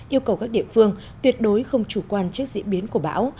yêu cầu các địa phương tuyệt đối không chủ quan trước diễn biến của bão